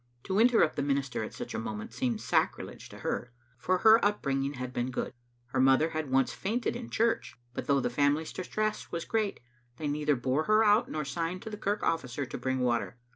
To interrupt the minister at such a moment seemed sacrilege to her, for her up bringing had been good. Her mother had once fainted in the church, but though the family's distress was great, they neither bore her out, nor signed to the kirk officer to bring water.